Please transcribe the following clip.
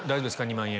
２万円。